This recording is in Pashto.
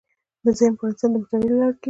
ذهن پرانېستل د مطالعې له لارې کېږي